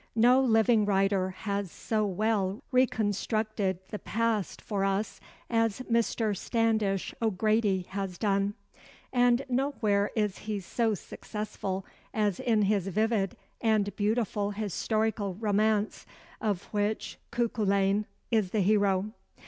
No living writer has so well reconstructed the past for us as Mr. Standish O'Grady has done, and nowhere is he so successful as in his vivid and beautiful historical romance, of which Cuculain is the hero.